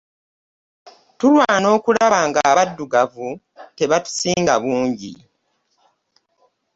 Tulwana okulaba ng'abaddugavu tebatusinga bungi.